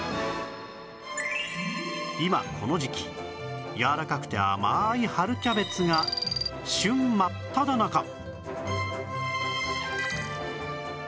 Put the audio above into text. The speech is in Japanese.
今この時期やわらかくて甘い春キャベツが旬真っただ中！